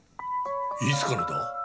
いつからだ？